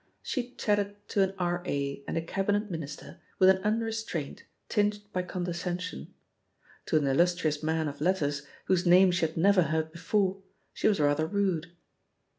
She chatted to an R.A. and a Cab inet Minister with an unrestraint tinged by con descension. To an illustrious man of letters, whose name she had never heard before, she was rather rude.